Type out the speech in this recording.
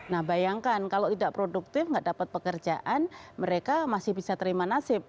nah bayangkan kalau tidak produktif nggak dapat pekerjaan mereka masih bisa terima nasib